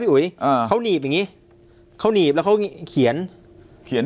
อุ๋ยอ่าเขาหนีบอย่างงี้เขาหนีบแล้วเขาเขียนเขียน